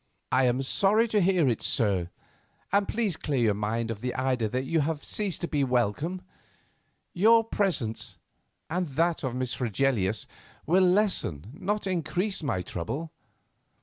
"I am sorry to hear it, sir; and please clear your mind of the idea that you have ceased to be welcome. Your presence and that of Miss Fregelius will lessen, not increase, my trouble.